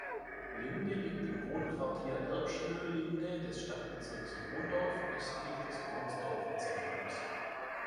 Linde liegt im Wohnquartier Erbschlö-Linde des Stadtbezirks Ronsdorf östlich des Ronsdorfer Zentrums.